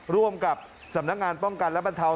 ร่วมกับสำนักงานป้องกันและบรรเทา